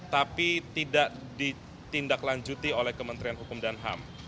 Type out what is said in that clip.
tapi tidak ditindaklanjuti oleh kementerian hukum dan ham